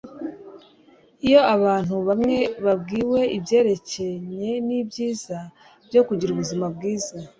iyo abantu bamwe babwiwe ibyerekeranye n'ibyiza byo kugira ubuzima bwiza